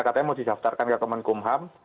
katanya mau didaftarkan ke kemenkumham